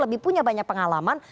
lebih punya banyak pengalaman